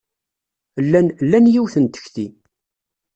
Llan lan yiwet n tekti.